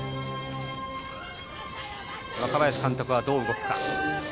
若林監督は、どう動くか。